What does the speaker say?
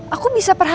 aku bisa perhatikan